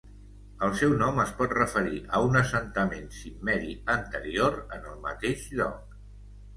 El seu nom es pot referir a un assentament cimmeri anterior en el mateix lloc.